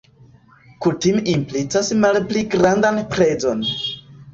Kutime implicas malpli grandan prezon.